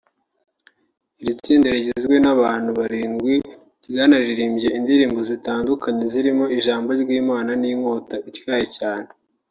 Iri tsinda rigizwe n’abantu barindwi ryanaririmbye indirimbo zitandukanye zirimo ‘Ijambo ry’Imana ni inkota ityaye cyane’